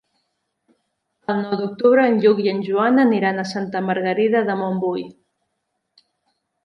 El nou d'octubre en Lluc i en Joan aniran a Santa Margarida de Montbui.